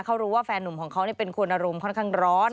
เขารู้ว่าแฟนหนุ่มของเขาเป็นคนอารมณ์ค่อนข้างร้อน